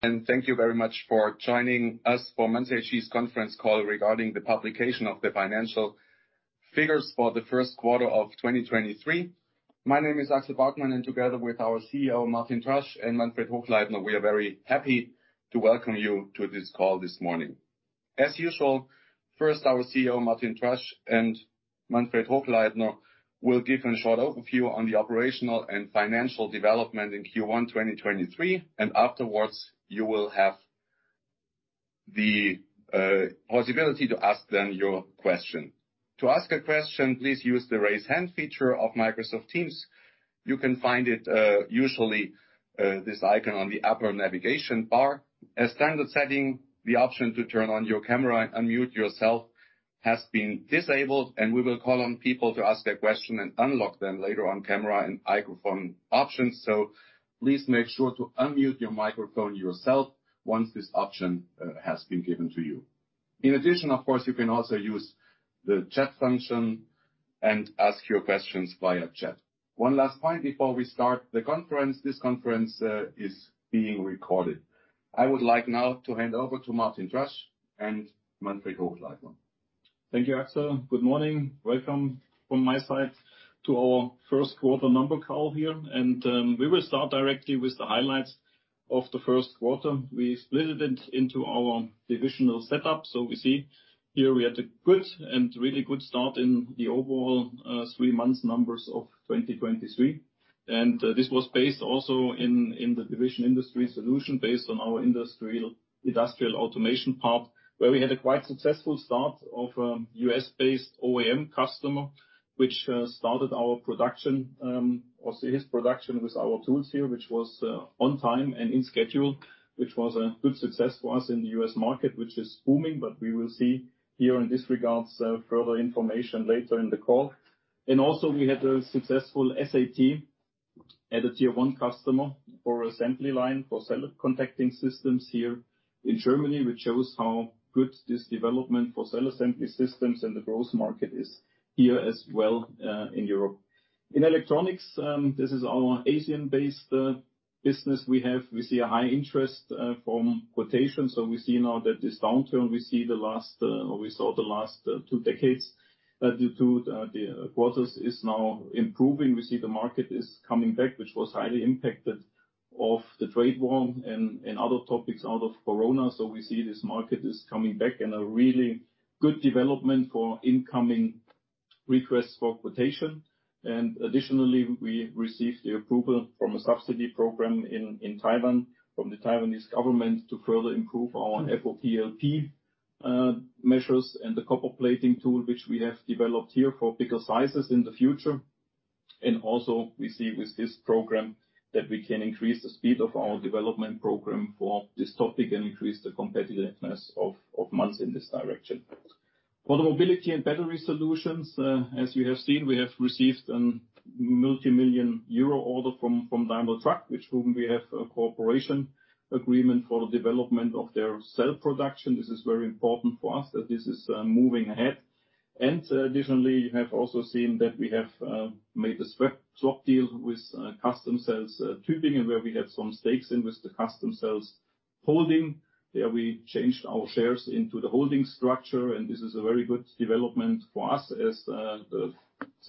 Thank you very much for joining Manz AG's conference call regarding the publication of the financial figures for the first quarter of 2023. My name is Axel Bartmann, and together with our CEO, Martin Drasch and Manfred Hochleitner, we are very happy to welcome you to this call this morning. As usual, first our CEO, Martin Drasch and Manfred Hochleitner will give a short overview on the operational and financial development in Q1 2023. Afterwards, you will have the possibility to ask them your question. To ask a question, please use the Raise Hand feature of Microsoft Teams. You can find it usually this icon on the upper navigation bar. A standard setting, the option to turn on your camera and unmute yourself has been disabled. We will call on people to ask their question and unlock them later on camera and microphone options. Please make sure to unmute your microphone yourself once this option has been given to you. In addition, of course, you can also use the chat function and ask your questions via chat. One last point before we start the conference, this conference is being recorded. I would like now to hand over to Martin Drasch and Manfred Hochleitner. Thank you, Axel. Good morning. Welcome from my side to our first quarter number call here. We will start directly with the highlights of the first quarter. We split it into our divisional setup. We see here we had a good and really good start in the overall three months numbers of 2023. This was based also in the division Industry Solution based on our industrial automation part, where we had a quite successful start of U.S.-based OEM customer, which started our production or his production with our tools here. Which was on time and in schedule, which was a good success for us in the U.S. market, which is booming. We will see here in this regards further information later in the call. Also we had a successful SAT at a tier one customer for assembly line for cell contacting systems here in Germany, which shows how good this development for cell assembly systems and the growth market is here as well in Europe. In electronics, this is our Asian-based business we have. We see a high interest from quotations. We see now that this downturn we see the last or we saw the last 2 decades due to the quarters is now improving. We see the market is coming back, which was highly impacted of the trade war and other topics out of Corona. We see this market is coming back and a really good development for incoming requests for quotation. Additionally, we received the approval from a subsidy program in Taiwan from the Taiwanese government to further improve our FOPLP measures and the copper plating tool, which we have developed here for bigger sizes in the future. Also, we see with this program that we can increase the speed of our development program for this topic and increase the competitiveness of Manz in this direction. For the mobility and battery solutions, as you have seen, we have received a multimillion EUR order from Daimler Truck, with whom we have a cooperation agreement for the development of their cell production. This is very important for us that this is moving ahead. Additionally, you have also seen that we have made a swap deal with Customcells Tübingen, where we have some stakes in with the Customcells Holding. There we changed our shares into the holding structure, this is a very good development for us as the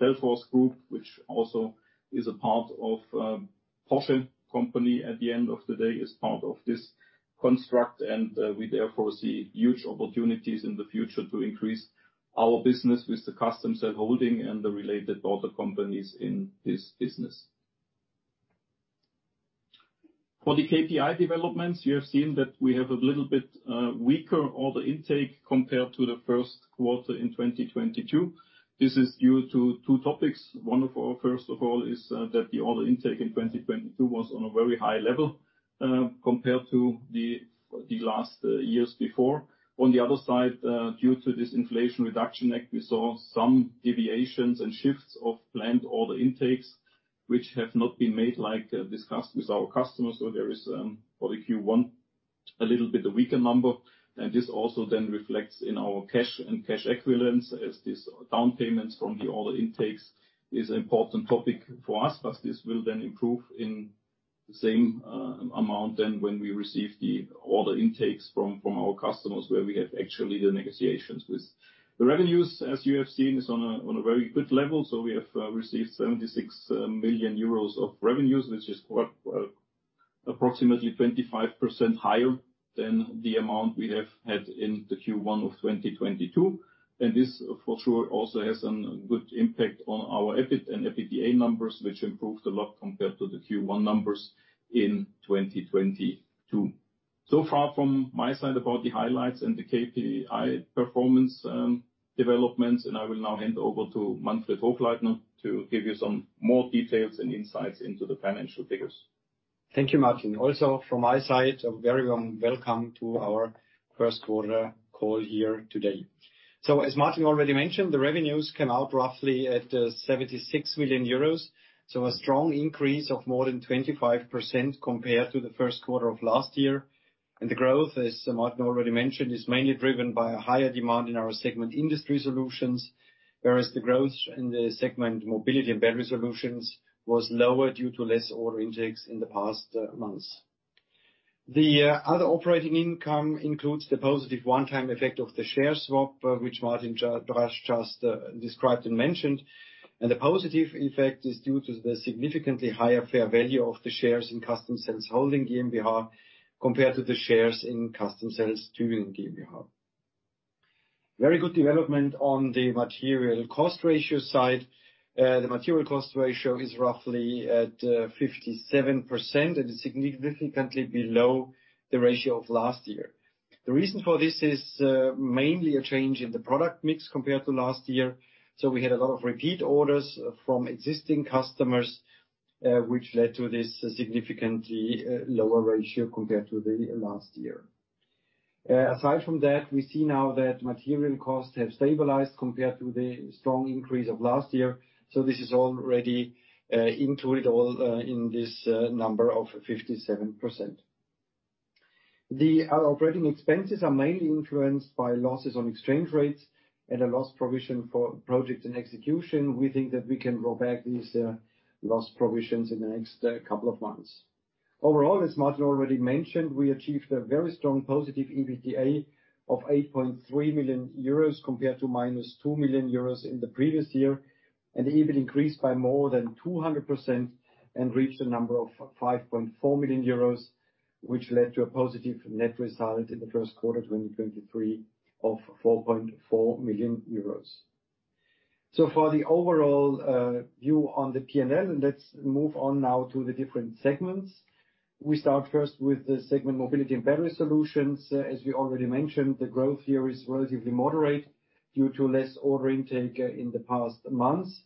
Cellforce Group, which also is a part of Porsche at the end of the day, is part of this construct. We therefore see huge opportunities in the future to increase our business with the Customcells Holding and the related other companies in this business. For the KPI developments, you have seen that we have a little bit weaker order intake compared to the first quarter in 2022. This is due to two topics. One of our first of all is that the order intake in 2022 was on a very high level compared to the last years before. On the other side, due to this Inflation Reduction Act, we saw some deviations and shifts of planned order intakes, which have not been made like discussed with our customers. There is, for the Q1, a little bit weaker number. This also then reflects in our cash and cash equivalence as this down payments from the order intakes is important topic for us. This will then improve in same amount than when we receive the order intakes from our customers, where we have actually the negotiations with. The revenues, as you have seen, is on a very good level. We have received 76 million euros of revenues, which is quite approximately 25% higher than the amount we have had in the Q1 of 2022. This for sure also has some good impact on our EBIT and EBITDA numbers, which improved a lot compared to the Q1 numbers in 2022. Far from my side about the highlights and the KPI performance, developments. I will now hand over to Manfred Hochleitner to give you some more details and insights into the financial figures. Thank you, Martin. Also from my side, a very warm welcome to our first quarter call here today. As Martin already mentioned, the revenues came out roughly at 76 million euros, so a strong increase of more than 25% compared to the first quarter of last year. The growth, as Martin already mentioned, is mainly driven by a higher demand in our segment industry solutions, whereas the growth in the segment mobility and battery solutions was lower due to less order intakes in the past months. The other operating income includes the positive one-time effect of the share swap, which Martin Drasch just described and mentioned. The positive effect is due to the significantly higher fair value of the shares in Customcells Holding GmbH compared to the shares in Customcells Tübingen GmbH. Very good development on the material cost ratio side. The material cost ratio is roughly at 57%, and is significantly below the ratio of last year. The reason for this is mainly a change in the product mix compared to last year. We had a lot of repeat orders from existing customers, which led to this significantly lower ratio compared to the last year. Aside from that, we see now that material costs have stabilized compared to the strong increase of last year, this is already included all in this number of 57%. The operating expenses are mainly influenced by losses on exchange rates and a loss provision for projects and execution. We think that we can roll back these loss provisions in the next couple of months. Overall, as Martin already mentioned, we achieved a very strong positive EBITDA of 8.3 million euros compared to minus 2 million euros in the previous year. The EBIT increased by more than 200% and reached a number of 5.4 million euros, which led to a positive net result in the first quarter 2023 of 4.4 million euros. For the overall view on the P&L, let's move on now to the different segments. We start first with the segment Mobility and Battery Solutions. As we already mentioned, the growth here is relatively moderate due to less order intake in the past months.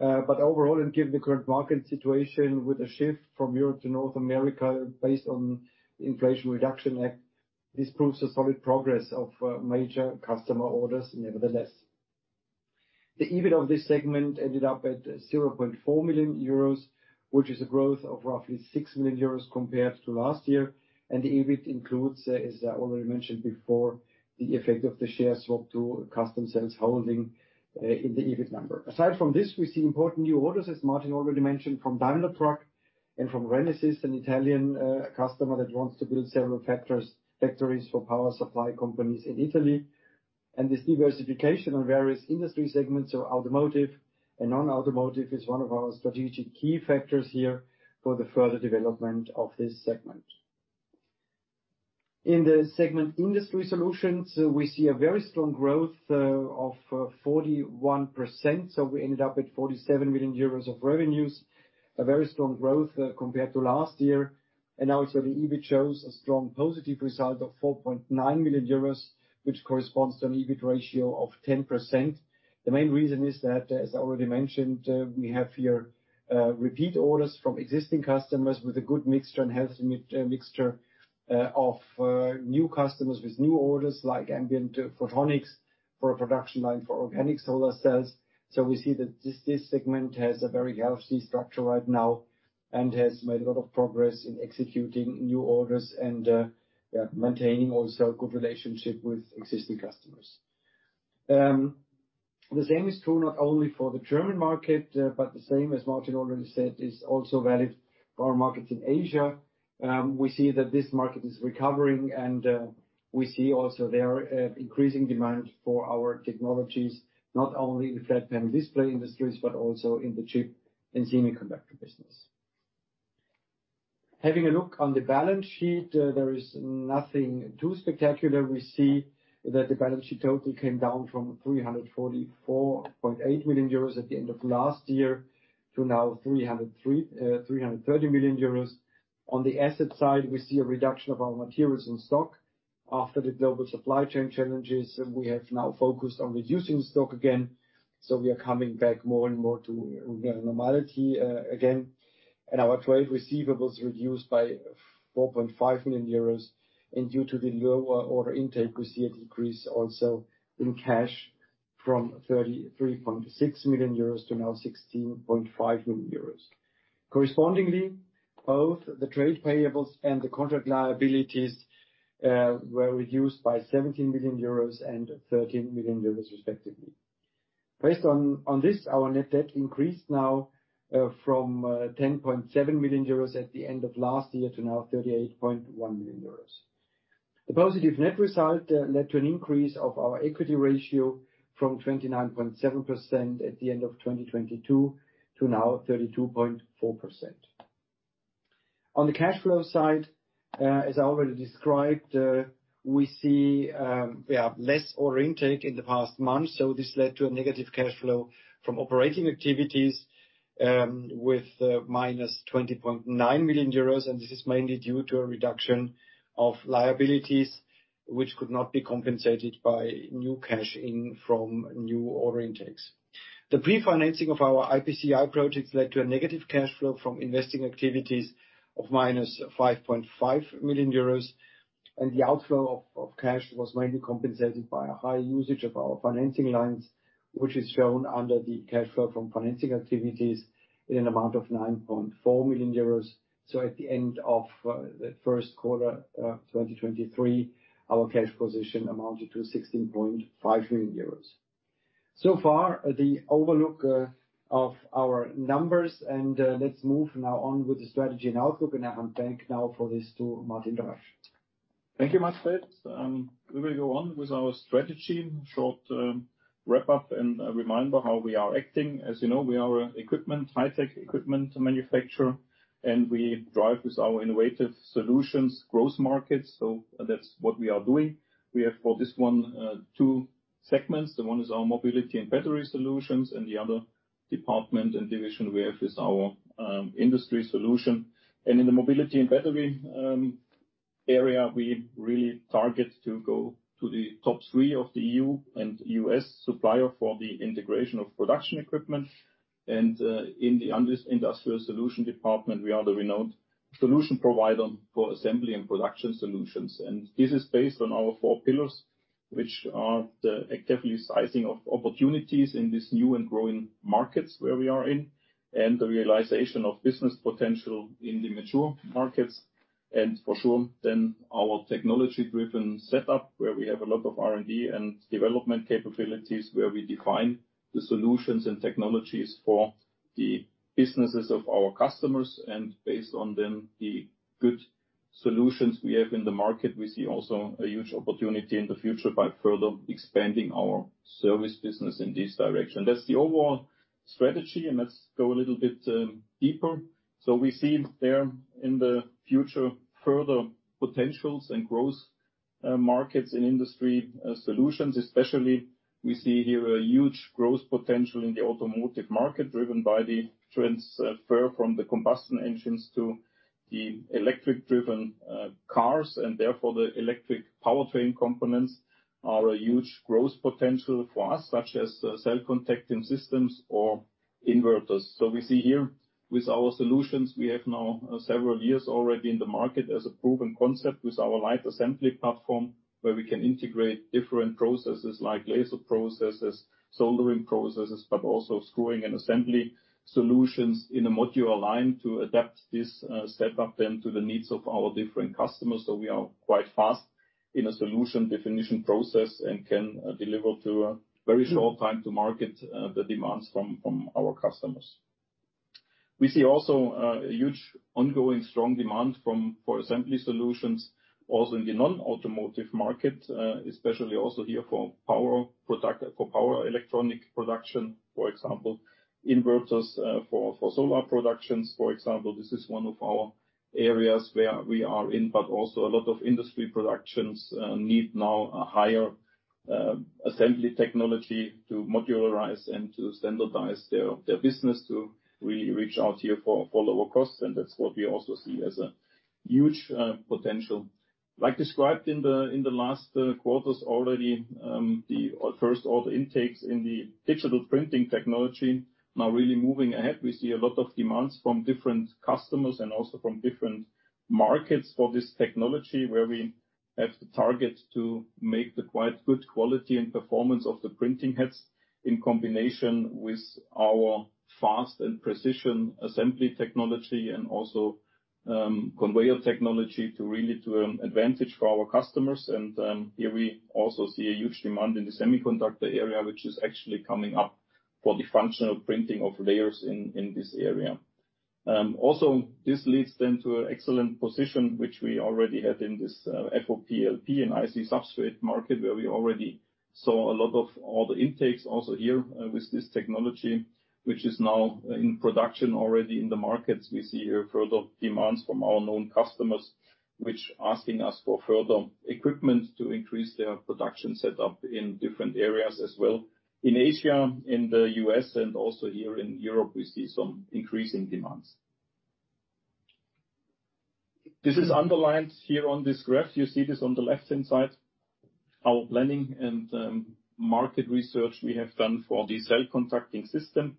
Overall, and given the current market situation, with a shift from Europe to North America based on Inflation Reduction Act, this proves a solid progress of major customer orders nevertheless. The EBIT of this segment ended up at 0.4 million euros, which is a growth of roughly 6 million euros compared to last year. The EBIT includes, as I already mentioned before, the effect of the share swap to Customcells Holding in the EBIT number. Aside from this, we see important new orders, as Martin already mentioned, from Daimler Truck and from Renesis, an Italian customer that wants to build several factories for power supply companies in Italy. This diversification on various industry segments of automotive and non-automotive is one of our strategic key factors here for the further development of this segment. In the segment Industry Solutions, we see a very strong growth of 41%, so we ended up at 47 million euros of revenues. A very strong growth compared to last year. Also, the EBIT shows a strong positive result of 4.9 million euros, which corresponds to an EBIT ratio of 10%. The main reason is that, as I already mentioned, we have here repeat orders from existing customers with a good mixture and healthy mixture of new customers with new orders like Ambient Photonics for a production line for organic solar cells. We see that this segment has a very healthy structure right now and has made a lot of progress in executing new orders and, yeah, maintaining also a good relationship with existing customers. The same is true not only for the German market, but the same, as Martin already said, is also valid for our markets in Asia. We see that this market is recovering and, we see also their increasing demand for our technologies, not only in flat panel display industries, but also in the chip and semiconductor business. Having a look on the balance sheet, there is nothing too spectacular. We see that the balance sheet total came down from 344.8 million euros at the end of last year to now 330 million euros. On the asset side, we see a reduction of our materials in stock. After the global supply chain challenges, we have now focused on reducing stock again, so we are coming back more and more to normality again. Our trade receivables reduced by 4.5 million euros, and due to the lower order intake, we see a decrease also in cash from 33.6 million euros to now 16.5 million euros. Correspondingly, both the trade payables and the contract liabilities were reduced by 17 million euros and 13 million euros respectively. Based on this, our net debt increased now from 10.7 million euros at the end of last year to now 38.1 million euros. The positive net result led to an increase of our equity ratio from 29.7% at the end of 2022 to now 32.4%. On the cash flow side, as I already described, we see we have less order intake in the past months. This led to a negative cash flow from operating activities with -20.9 million euros. This is mainly due to a reduction of liabilities, which could not be compensated by new cash in from new order intakes. The pre-financing of our IPCEI projects led to a negative cash flow from investing activities of -5.5 million euros, the outflow of cash was mainly compensated by a high usage of our financing lines, which is shown under the cash flow from financing activities in an amount of 9.4 million euros. At the end of the first quarter 2023, our cash position amounted to 16.5 million euros. So far, the overlook of our numbers, let's move now on with the strategy and outlook. I'll thank now for this to Martin Drasch. Thank you, Manfred. We will go on with our strategy. Short wrap up and a reminder how we are acting. As you know, we are high-tech equipment manufacturer, and we drive with our innovative solutions, growth markets. That's what we are doing. We have for this one two segments. The one is our mobility and battery solutions, and the other department and division we have is our industry solution. In the mobility and battery area, we really target to go to the top three of the EU and U.S., supplier for the integration of production equipment. In the industrial solution department, we are the renowned solution provider for assembly and production solutions. This is based on our four pillars, which are the actively sizing of opportunities in these new and growing markets where we are in, and the realization of business potential in the mature markets. For sure, then our technology-driven setup, where we have a lot of R&D and development capabilities, where we define the solutions and technologies for the businesses of our customers. Based on them, the good solutions we have in the market, we see also a huge opportunity in the future by further expanding our service business in this direction. That's the overall strategy, and let's go a little bit deeper. We see there in the future, further potentials and growth markets in industry solutions, especially, we see here a huge growth potential in the automotive market, driven by the transfer from the combustion engines to the electric-driven cars. Therefore, the electric powertrain components are a huge growth potential for us, such as cell contacting systems or inverters. We see here with our solutions, we have now several years already in the market as a proven concept with our LightAssembly platform, where we can integrate different processes like laser processes, soldering processes, but also screwing and assembly solutions in a modular line to adapt this setup then to the needs of our different customers. We are quite fast in a solution definition process and can deliver to a very short time to market the demands from our customers. We see also a huge ongoing strong demand for assembly solutions, also in the non-automotive market, especially also here for power electronic production, for example, inverters, for solar productions, for example. This is one of our areas where we are in. Also a lot of industry productions need now a higher assembly technology to modularize and to standardize their business to really reach out here for lower costs. That's what we also see as a huge potential. Like described in the last quarters already, first order intakes in the digital printing technology now really moving ahead. We see a lot of demands from different customers and also from different markets for this technology, where we have the target to make the quite good quality and performance of the printing heads in combination with our fast and precision assembly technology and also conveyor technology, to really to advantage for our customers. Here we also see a huge demand in the semiconductor area, which is actually coming up for the functional printing of layers in this area. Also this leads then to an excellent position, which we already had in this FOPLP and IC substrate market, where we already saw a lot of order intakes also here with this technology, which is now in production already in the markets. We see here further demands from our known customers, which asking us for further equipment to increase their production setup in different areas as well. In Asia, in the U.S., and also here in Europe, we see some increasing demands. This is underlined here on this graph. You see this on the left-hand side, our planning and market research we have done for the cell contacting system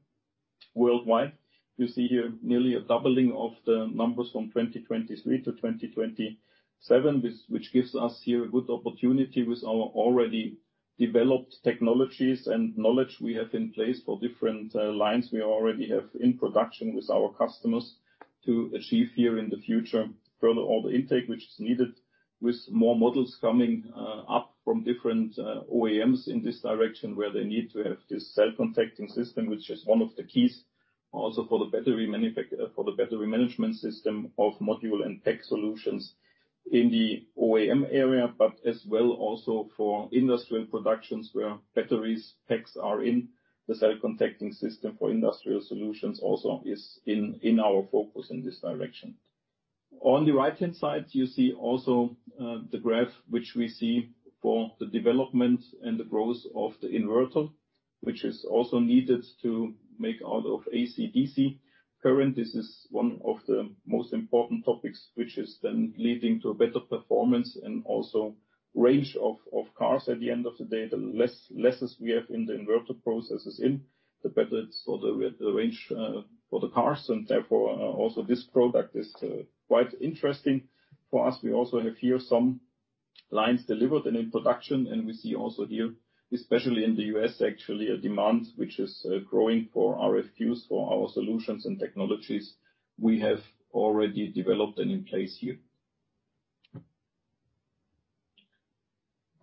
worldwide. You see here nearly a doubling of the numbers from 2023 to 2027, which gives us here a good opportunity with our already developed technologies and knowledge we have in place for different lines we already have in production with our customers to achieve here in the future further order intake, which is needed with more models coming up from different OEMs in this direction, where they need to have this cell contacting system, which is one of the keys also for the battery management system of module and tech solutions in the OEM area. As well also for industrial productions where batteries packs are in the cell contacting system for industrial solutions also is in our focus in this direction. On the right-hand side, you see also, the graph which we see for the development and the growth of the inverter, which is also needed to make out of AC/DC current. This is one of the most important topics which is then leading to a better performance and also range of cars. At the end of the day, the less we have in the inverter processes, the better, sort of, the range, for the cars and therefore, also this product is, quite interesting for us. We also have here some lines delivered and in production. We see also here, especially in the U.S., actually, a demand which is, growing for RFQs, for our solutions and technologies we have already developed and in place here.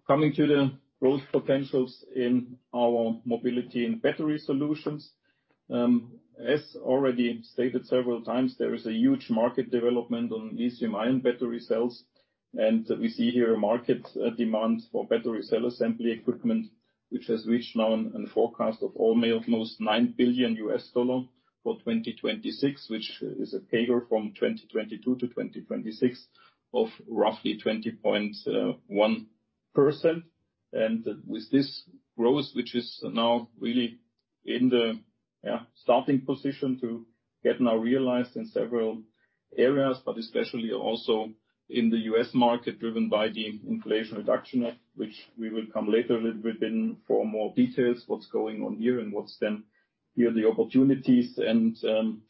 Coming to the growth potentials in our mobility and battery solutions. As already stated several times, there is a huge market development on lithium-ion battery cells, and we see here a market demand for battery cell assembly equipment, which has reached now and forecast of all almost $9 billion for 2026, which is a CAGR from 2022 to 2026 of roughly 20.1%. With this growth, which is now really in the starting position to get now realized in several areas, but especially also in the U.S. market, driven by the Inflation Reduction Act, which we will come later a little bit in for more details, what's going on here and what's then here the opportunities and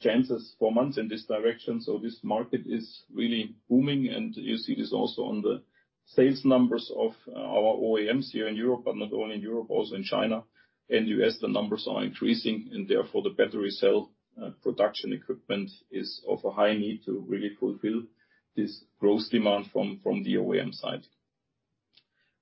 chances for Manz in this direction. This market is really booming, and you see this also on the sales numbers of our OEMs here in Europe, but not only in Europe, also in China. In U.S., the numbers are increasing and therefore, the battery cell production equipment is of a high need to really fulfill this growth demand from the OEM side.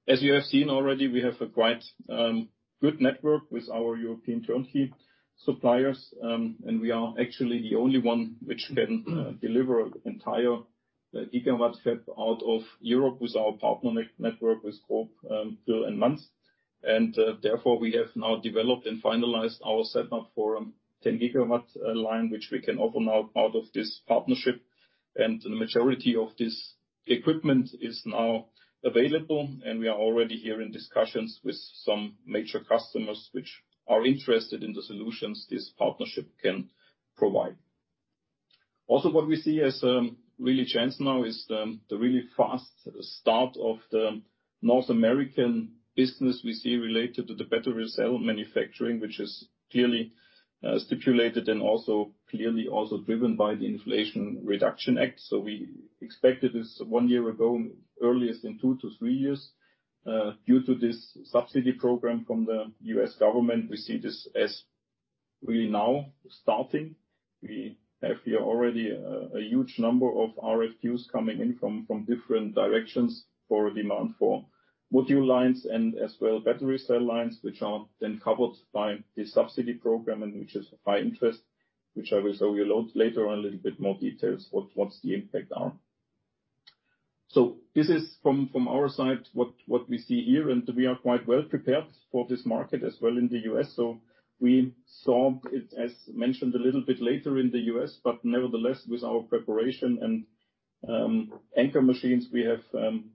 As you have seen already, we have a quite good network with our European turnkey suppliers, and we are actually the only one which can deliver entire gigawatt fab out of Europe with our partner network with GROB, Dürr and Manz. Therefore, we have now developed and finalized our setup for 10 gigawatt line, which we can offer now out of this partnership. The majority of this equipment is now available, and we are already here in discussions with some major customers which are interested in the solutions this partnership can provide. What we see as really chance now is the really fast start of the North American business we see related to the battery cell manufacturing, which is clearly stipulated and also clearly also driven by the Inflation Reduction Act. We expected this 1 year ago, earliest in 2 to 3 years. Due to this subsidy program from the U.S. government, we see this as really now starting. We have here already a huge number of RFQs coming in from different directions for demand for module lines and as well battery cell lines, which are then covered by the subsidy program and which is of high interest, which I will show you a lot later on, a little bit more details what the impact are. This is from our side what we see here, and we are quite well prepared for this market as well in the U.S. We saw it, as mentioned, a little bit later in the U.S., but nevertheless, with our preparation and anchor machines we have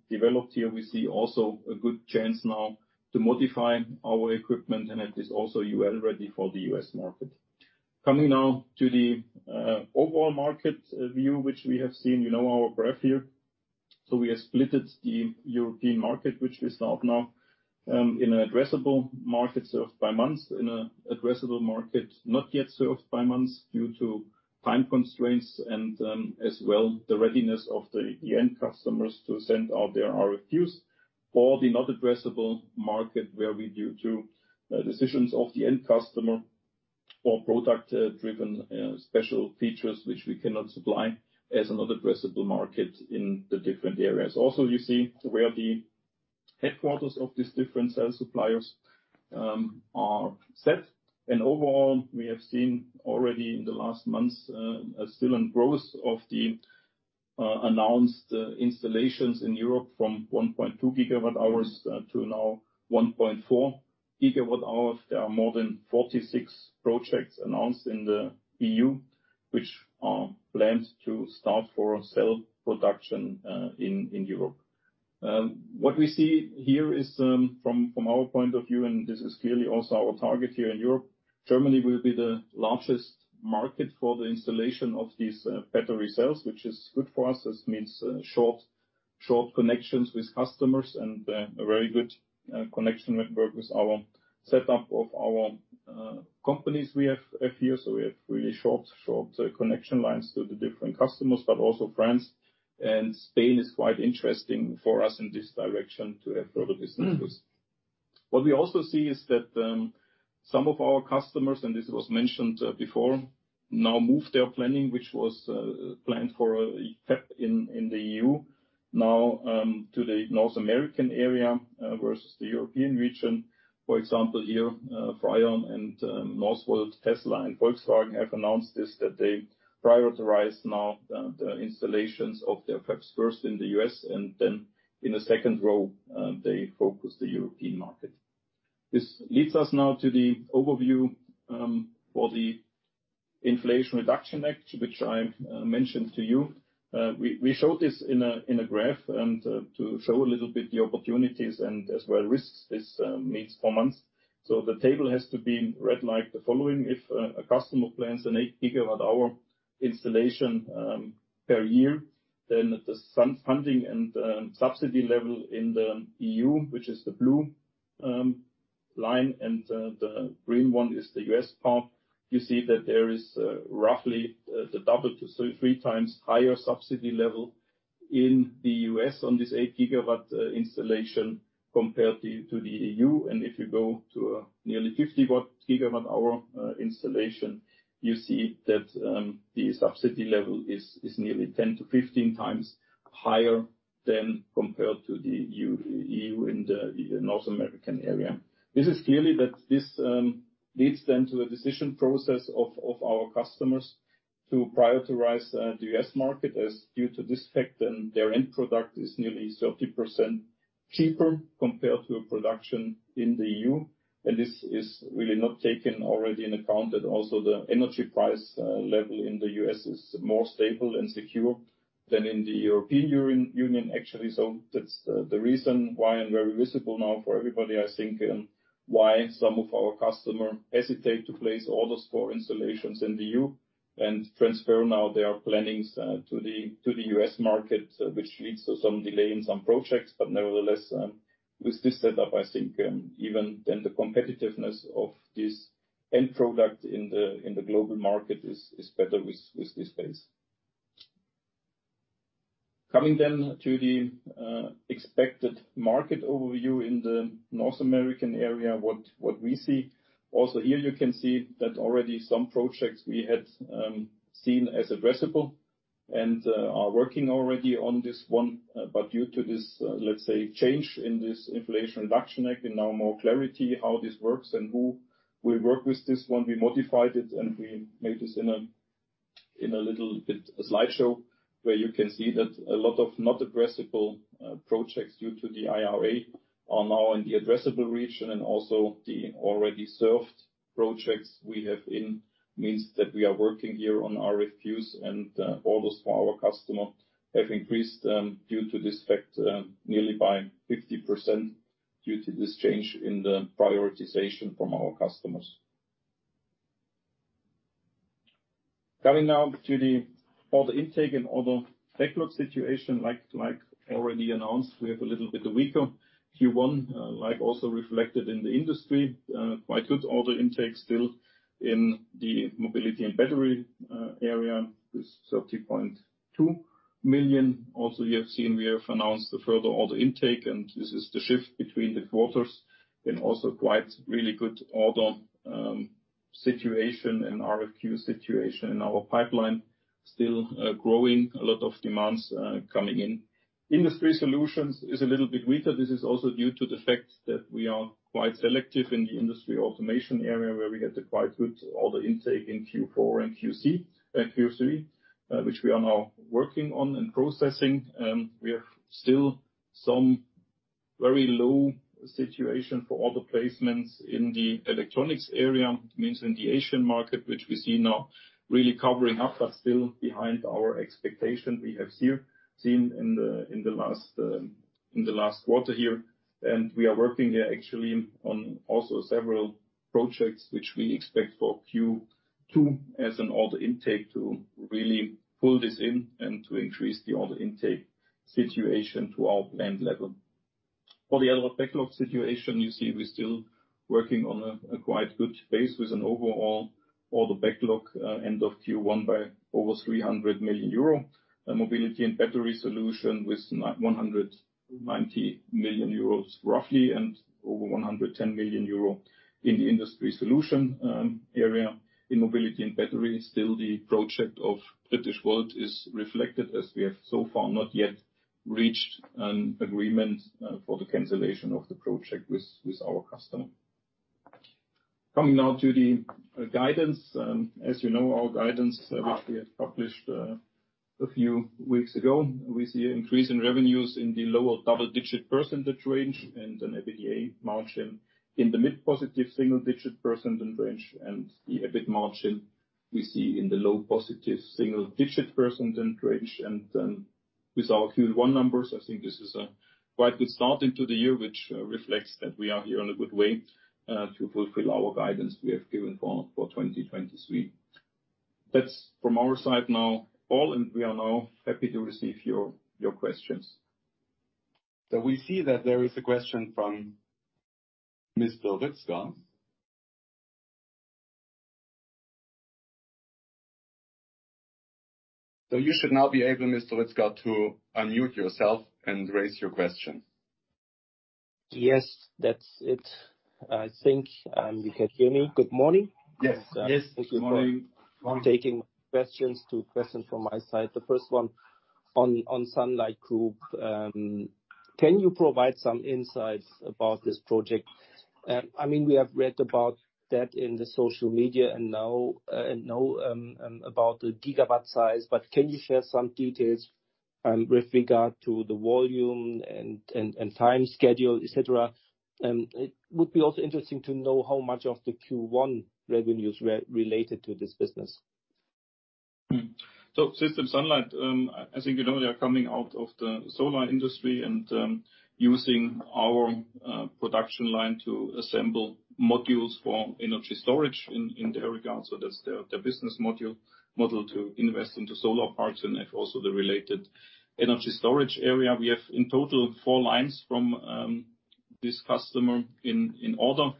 developed here, we see also a good chance now to modify our equipment, and it is also UL-ready for the U.S., market. Coming now to the overall market view, which we have seen, you know our graph here. We have splitted the European market, which we serve now, in an addressable market served by Manz, in a addressable market not yet served by Manz due to time constraints and as well the readiness of the end customers to send out their RFQs. For the not addressable market, where we due to decisions of the end customer or product driven special features which we cannot supply as a not addressable market in the different areas. Also, you see where the headquarters of these different cell suppliers are set. Overall, we have seen already in the last months, a still growth of the announced installations in Europe from 1.2 gigawatt hours to now 1.4 gigawatt hours. There are more than 46 projects announced in the EU, which are planned to start for cell production in Europe. What we see here is from our point of view, and this is clearly also our target here in Europe, Germany will be the largest market for the installation of these battery cells, which is good for us. This means short connections with customers and a very good connection network with our setup of our companies we have here. We have really short connection lines to the different customers. Also France and Spain is quite interesting for us in this direction to have further businesses. What we also see is that some of our customers, and this was mentioned before, now move their planning, which was planned for a fab in the EU now to the North American area versus the European region. For example, here FREYR and Northvolt, Tesla and Volkswagen have announced this, that they prioritize now the installations of their fabs first in the U.S., and then in the second row, they focus the European market. This leads us now to the overview for the Inflation Reduction Act, which I mentioned to you. We show this in a graph and to show a little bit the opportunities and as well risks this means for Manz. The table has to be read like the following. If a customer plans an 8 gigawatt hour installation per year, then the sun-funding and subsidy level in the EU, which is the blue line, and the green one is the U.S., part. You see that there is roughly 2-3 times higher subsidy level in the U.S., on this 8 gigawatt installation compared to the EU. And if you go to a nearly 50 watt gigawatt hour installation, you see that the subsidy level is nearly 10-15 times higher than compared to the EU in the North American area. This is clearly that this leads then to the decision process of our customers to prioritize the U.S., market as due to this fact, and their end product is nearly 30% cheaper compared to a production in the EU. This is really not taken already into account. Also the energy price level in the U.S., is more stable and secure than in the European Union, actually. That's the reason why and very visible now for everybody, I think, why some of our customers hesitate to place orders for installations in the EU and transfer now their plannings to the U.S., market, which leads to some delay in some projects. Nevertheless, with this setup, I think, even then the competitiveness of this end product in the global market is better with this base. Coming to the expected market overview in the North American area, what we see. Also here you can see that already some projects we had seen as addressable and are working already on this one. Due to this, let's say, change in this Inflation Reduction Act and now more clarity how this works and who will work with this one, we modified it, and we made this in a little bit a slideshow. Where you can see that a lot of not addressable projects due to the IRA are now in the addressable region. Also the already served projects we have in means that we are working here on RFQs, and orders for our customer have increased due to this fact nearly by 50% due to this change in the prioritization from our customers. Coming now to the order intake and order backlog situation. Like already announced, we have a little bit weaker Q1, like also reflected in the industry. Quite good order intake still in the mobility and battery area with 30.2 million. Also you have seen we have announced the further order intake, and this is the shift between the quarters and also quite really good order situation and RFQ situation in our pipeline. Still growing. A lot of demands coming in. Industry solutions is a little bit weaker. This is also due to the fact that we are quite selective in the industry automation area, where we had a quite good order intake in Q4 and Q3, which we are now working on and processing. We have still some very low situation for order placements in the electronics area. Means in the Asian market, which we see now really covering up, but still behind our expectation we have seen in the last, in the last quarter here. We are working here actually on also several projects which we expect for Q2 as an order intake to really pull this in and to increase the order intake situation to our planned level. For the other backlog situation, you see we're still working on a quite good base with an overall order backlog, end of Q1 by over 300 million euro. Mobility and battery solution with 190 million euros roughly, and over 110 million euro in the industry solution area. In mobility and battery, still the project of Britishvolt is reflected as we have so far not yet reached an agreement for the cancellation of the project with our customer. Coming now to the guidance. As you know, our guidance which we had published a few weeks ago. We see an increase in revenues in the lower double-digit % range and an EBITDA margin in the mid-positive single-digit % range, and the EBIT margin we see in the low-positive single-digit % range. With our Q1 numbers, I think this is a quite good start into the year, which reflects that we are here on a good way to fulfill our guidance we have given for 2023. That's from our side now all. We are now happy to receive your questions. We see that there is a question from Mr. Ritzka. You should now be able, Mr. Ritzka, to unmute yourself and raise your question. Yes, that's it. I think you can hear me. Good morning. Yes. Yes. Good morning. Thank you for taking questions. Two questions from my side. The first one on Sunlight Group. Can you provide some insights about this project? I mean, we have read about that in the social media and now know about the gigabyte size, but can you share some details with regard to the volume and time schedule, et cetera? It would be also interesting to know how much of the Q1 revenues related to this business. SYSTEMS SUNLIGHT, as you know, they are coming out of the solar industry and using our production line to assemble modules for energy storage in their regard. That's their business model to invest into solar parks and also the related energy storage area. We have in total 4 lines from this customer in order.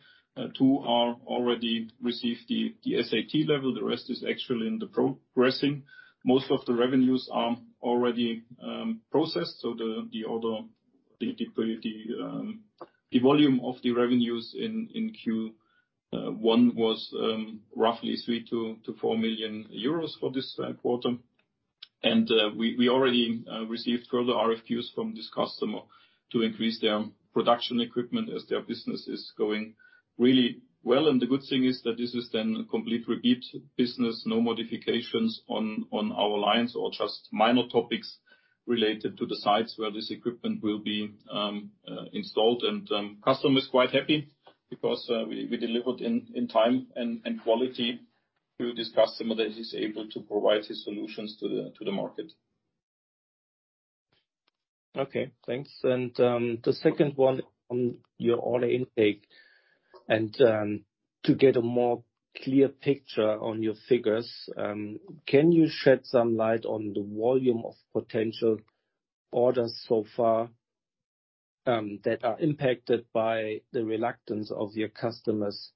2 are already received the SAT level. The rest is actually in the progressing. Most of the revenues are already processed. The order, the volume of the revenues in Q1 was roughly 3-4 million euros for this quarter. We already received further RFQs from this customer to increase their production equipment as their business is going really well. The good thing is that this is then a complete repeat business. No modifications on our lines or just minor topics related to the sites where this equipment will be installed. Customer is quite happy because we delivered in time and quality to this customer that he's able to provide his solutions to the market. Okay, thanks. The second one on your order intake. To get a more clear picture on your figures, can you shed some light on the volume of potential orders so far that are impacted by the reluctance of your customers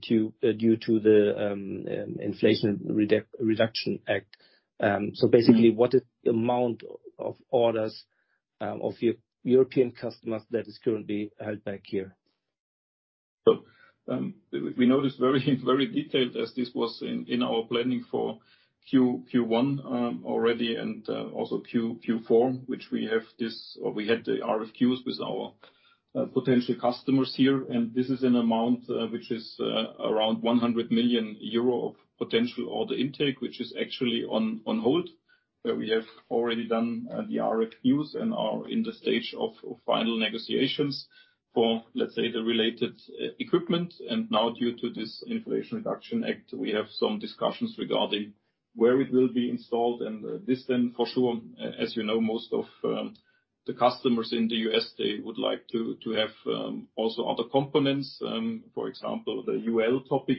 due to the Inflation Reduction Act? Basically, what is the amount of orders of your European customers that is currently held back here? We know this very, very detailed as this was in our planning for Q1 already, and also Q4, which we had the RFQs with our potential customers here. This is an amount which is around 100 million euro of potential order intake, which is actually on hold. We have already done the RFQs and are in the stage of final negotiations for, let's say, the related e-equipment. Due to this Inflation Reduction Act, we have some discussions regarding where it will be installed. This for sure, as you know, most of the customers in the U.S., they would like to have also other components. For example, the UL topic,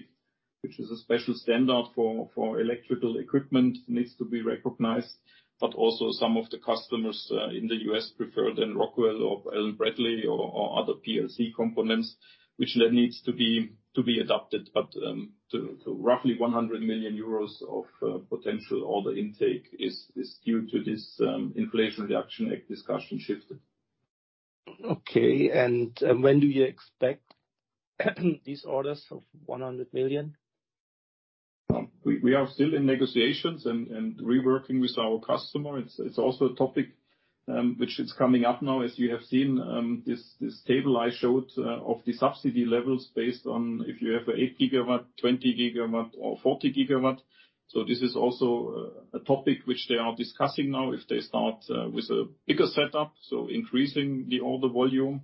which is a special standard for electrical equipment, needs to be recognized. Also some of the customers in the U.S. prefer then Rockwell or Allen-Bradley or other PLC components, which then needs to be adapted. To roughly 100 million euros of potential order intake is due to this Inflation Reduction Act discussion shifted. Okay. When do you expect these orders of 100 million? We are still in negotiations and reworking with our customer. It's also a topic which is coming up now, as you have seen, this table I showed of the subsidy levels based on if you have a 8 gigawatt, 20 gigawatt or 40 gigawatt. This is also a topic which they are discussing now. If they start with a bigger setup, so increasing the order volume,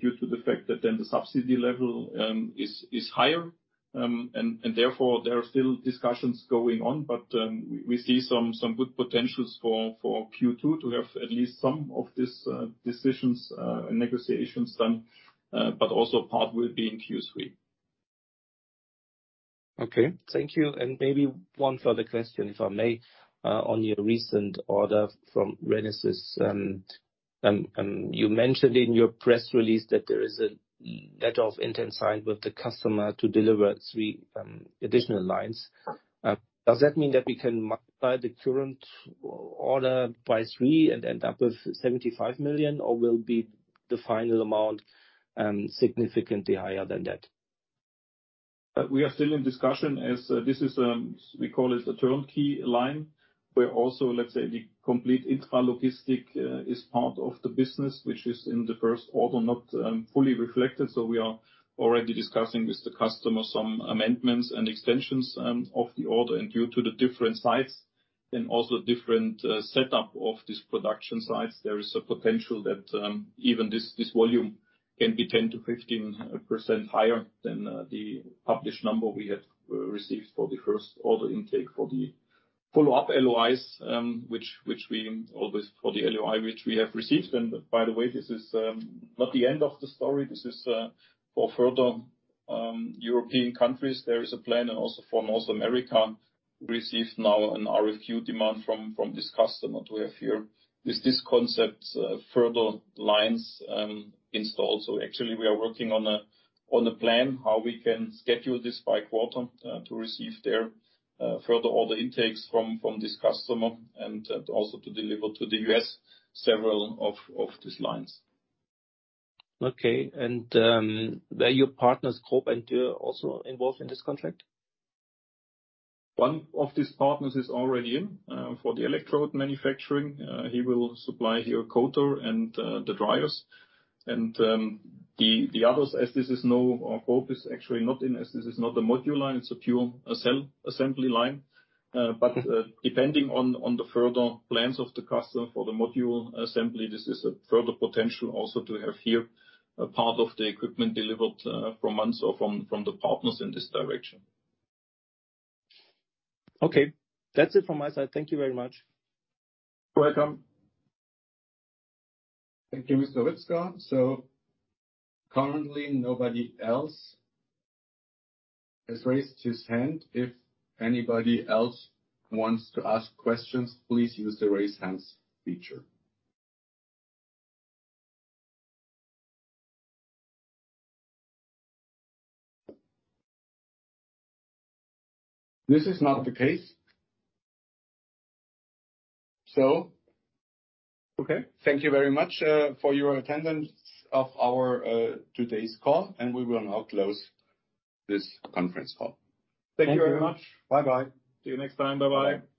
due to the fact that then the subsidy level is higher. Therefore, there are still discussions going on, but we see some good potentials for Q2 to have at least some of these decisions and negotiations done. Also part will be in Q3. Okay. Thank you. Maybe one further question, if I may. On your recent order from FIB. You mentioned in your press release that there is a letter of intent signed with the customer to deliver 3 additional lines. Does that mean that we can multiply the current order by 3 and end up with 75 million, or will be the final amount significantly higher than that? We are still in discussion as this is, we call it a turnkey line. Where also, let's say, the complete intra logistic is part of the business, which is in the first order not fully reflected. We are already discussing with the customer some amendments and extensions of the order. Due to the different sites and also different setup of these production sites, there is a potential that even this volume can be 10%-15% higher than the published number we had received for the first order intake for the follow-up LOIs. For the LOI, which we have received. By the way, this is not the end of the story. This is for further European countries. There is a plan and also for North America. We received now an RFQ demand from this customer to have here this concept further lines installed. Actually we are working on a plan how we can schedule this by quarter to receive their further order intakes from this customer and also to deliver to the U.S., several of these lines. Okay. Were your partners GROB and Dürr also involved in this contract? One of these partners is already in for the electrode manufacturing. He will supply here coater and the dryers. The others, or GROB, is actually not in as this is not a module line, it's a pure assembly line. Depending on the further plans of the customer for the module assembly, this is a further potential also to have here a part of the equipment delivered from Harro or from the partners in this direction. Okay. That's it from my side. Thank you very much. Welcome. Thank you, Mr. Ritzka. Currently nobody else has raised his hand. If anybody else wants to ask questions, please use the Raise Hands feature. This is not the case. Okay. Thank you very much for your attendance of our today's call, and we will now close this conference call. Thank you very much. Bye-bye. See you next time. Bye-bye.